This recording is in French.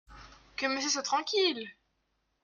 Que Monsieur soit tranquille !